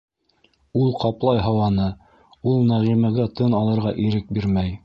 Ул ҡаплай һауаны, ул Нәғимәгә тын алырға ирек бирмәй.